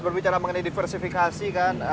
berbicara mengenai diversifikasi kan